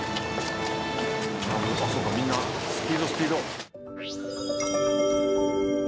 そうかみんなスピードスピード。